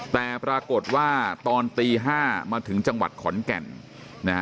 แต่ปรากฏว่าตอนตี๕มาถึงจังหวัดขอนแก่นนะฮะ